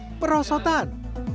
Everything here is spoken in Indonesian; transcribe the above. jujur dari perosotan